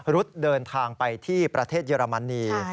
รุดเดินทางไปที่ประเทศเยอรมนี